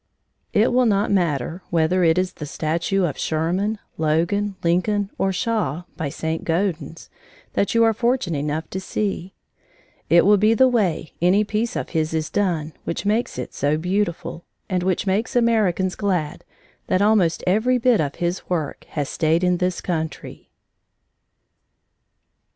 It will not matter whether it is the statue of Sherman, Logan, Lincoln, or Shaw by St. Gaudens that you are fortunate enough to see; it will be the way any piece of his is done which makes it so beautiful, and which makes Americans glad that almost every bit of his work has stayed in this country.